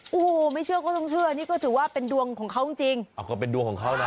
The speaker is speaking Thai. โอ้โหไม่เชื่อก็ต้องเชื่อนี่ก็ถือว่าเป็นดวงของเขาจริงจริงอ้าวก็เป็นดวงของเขานะ